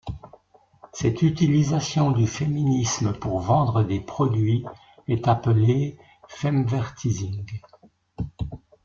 Cette utilisation du féminisme pour vendre des produits est appelé femvertising.